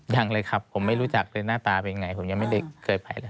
ยังเลยครับผมไม่รู้จักหน้าตาเป็นยังไงผมยังไม่ได้เกิดไป